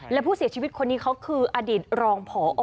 และผู้เสียชีวิตคนนี้เขาคืออดีตรองพอ